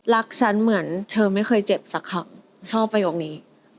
รักฉันเหมือนเธอไม่เคยเจ็บสักคำชอบประโยคนี้